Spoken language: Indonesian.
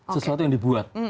sesuatu yang dibuat